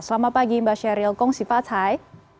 selamat pagi mbak sheryl kong sifat hai